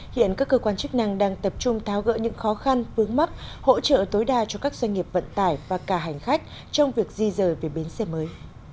hiện các cơ quan chức năng đang tập trung tháo gỡ những khó khăn vướng mắc hỗ trợ tối đa cho các doanh nghiệp vận tải và cả hành khách trong việc di rời về bến xe mới